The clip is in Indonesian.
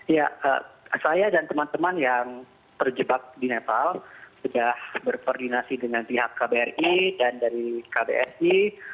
ya saya dan teman teman yang terjebak di nepal sudah berkoordinasi dengan pihak kbri dan dari kbsi